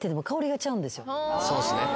そうですね。